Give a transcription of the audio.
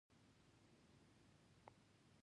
عثماني حکومت راوپرځېد